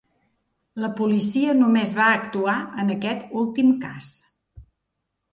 La policia només va actuar en aquest últim cas.